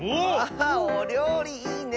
あおりょうりいいね。